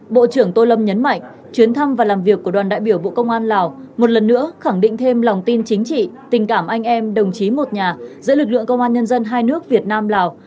bộ trưởng tô lâm nhấn mạnh chuyến thăm và làm việc của đoàn đại biểu bộ công an lào một lần nữa khẳng định thêm lòng tin chính trị tình cảm anh em đồng chí một nhà giữa lực lượng công an nhân dân hai nước việt nam lào